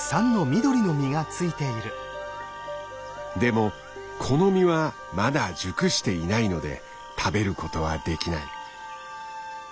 でもこの実はまだ熟していないので食べることはできない。